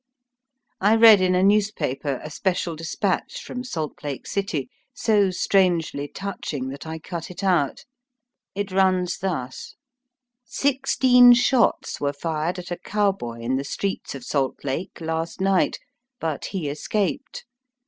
I read in a newspaper a special de spatch from Salt Lake City so strangely touching that I cut it out. It runs thus :^^ Sixteen shots were fired at a cowboy in the streets of Salt Lake last night, but he escaped.